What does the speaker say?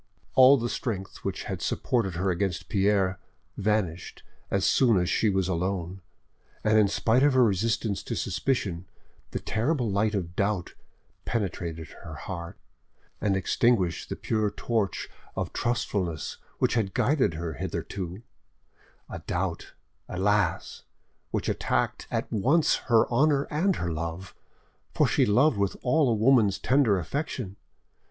All the strength which had supported her against Pierre vanished as soon as she was alone, and in spite of her resistance to suspicion, the terrible light of doubt penetrated her heart, and extinguished the pure torch of trustfulness which had guided her hitherto—a doubt, alas! which attacked at once her honour and her love, for she loved with all a woman's tender affection.